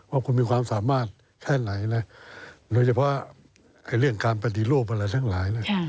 ว่าคุณมีความสามารถแค่ไหนนะโดยเฉพาะเรื่องการปฏิรูปอะไรทั้งหลาย